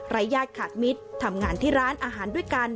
ญาติขาดมิตรทำงานที่ร้านอาหารด้วยกัน